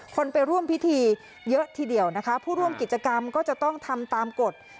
คนไปร่วมพิธีเยอะทีเดียวนะคะผู้ร่วมกิจกรรมก็จะต้องทำตามกฎ